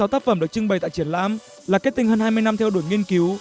sáu mươi tác phẩm được trưng bày tại triển lãm là kết tinh hơn hai mươi năm theo đuổi nghiên cứu